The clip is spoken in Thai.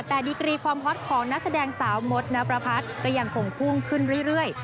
แต่ดีกรีความฮอตของนักแสดงสาวมดนประพัฒน์ก็ยังคงพุ่งขึ้นเรื่อย